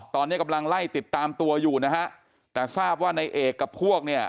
ตอนนี้กำลังไล่ติดตามตัวอยู่นะฮะแต่ทราบว่าในเอกกับพวกเนี่ย